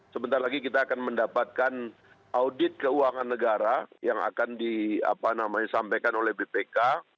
sebentar lagi kita akan mendapatkan audit keuangan negara yang akan disampaikan oleh bpk